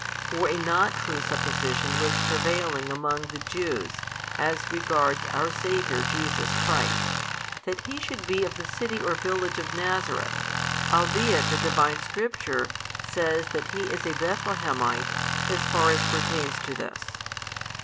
For a not true supposition was prevailing among the Jews as regards our Saviour Jesus Christ, that He should be of the city or village of Nazareth, albeit the Divine Scripture says that He is a Bethlehemite, as far as pertains to this.